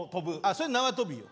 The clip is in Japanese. それ縄跳びよ。